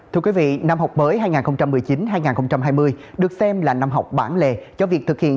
thưa quý vị năm học mới hai nghìn một mươi chín hai nghìn hai mươi được xem là năm học bản lề cho việc thực hiện